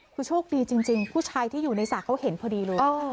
คือโชคดีจริงผู้ชายที่อยู่ในสระเขาเห็นพอดีเลย